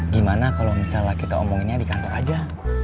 gimana kalau misalnya kita omonginnya di kantor aja